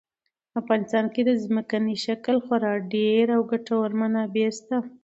په افغانستان کې د ځمکني شکل خورا ډېرې او ګټورې منابع شته.